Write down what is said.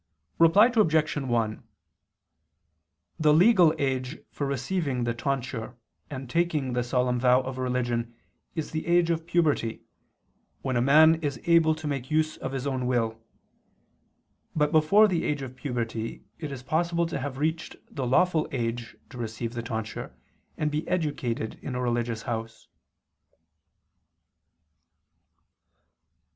Reply Obj. 1: The legal age for receiving the tonsure and taking the solemn vow of religion is the age of puberty, when a man is able to make use of his own will; but before the age of puberty it is possible to have reached the lawful age to receive the tonsure and be educated in a religious house.